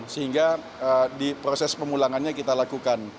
sehingga di proses pemulangannya kita lakukan